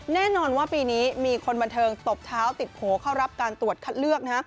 แน่นอนว่าปีนี้มีคนบันเทิงตบเท้าติดโผล่เข้ารับการตรวจคัดเลือก